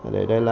để đây là